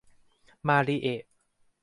มาริเอะ